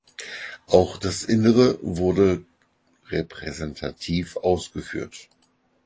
Auch das Innere wurde repräsentativ ausgeführt.